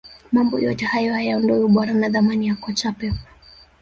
mambo yote hayo hayaondoi ubora na thamani ya kocha pep